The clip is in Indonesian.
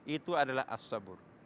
itu adalah as sabur